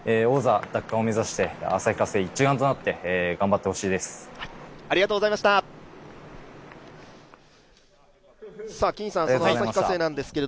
王座奪還を目指して旭化成一丸となって頑張ってほしいです。